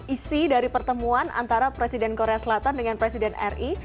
isi dari pertemuan antara presiden korea selatan dengan presiden ri